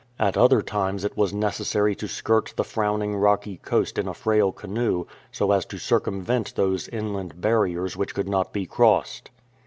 At other times it was necessary to skirt the frowning rocky coast in a frail canoe, so as to circumvent those inland barriers which could not be crossed.